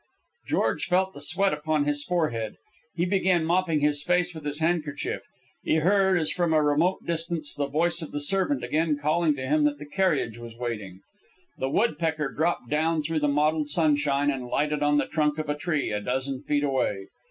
George felt the sweat upon his forehead. He began mopping his face with his handkerchief. He heard, as from a remote distance, the voice of the servant again calling to him that the carriage was waiting. The woodpecker dropped down through the mottled sunshine and lighted on the trunk of a tree a dozen feet away.